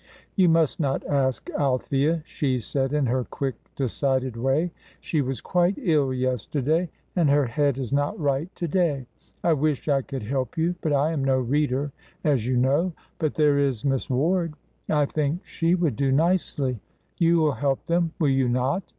"You must not ask Althea," she said, in her quick, decided way. "She was quite ill yesterday, and her head is not right to day. I wish I could help you, but I am no reader, as you know. But there is Miss Ward; I think she would do nicely. You will help them, will you not?"